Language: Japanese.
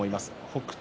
北勝